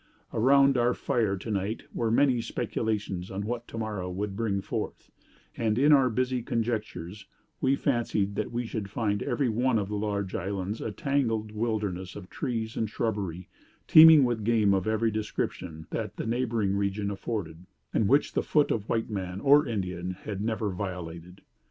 Around our fire to night were many speculations on what to morrow would bring forth; and in our busy conjectures we fancied that we should find every one of the large islands a tangled wilderness of trees and shrubbery, teeming with game of every description that the neighboring region afforded, and which the foot of a white man or Indian had never violated.